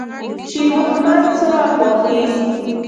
شېرمحمد څراغ واخیست.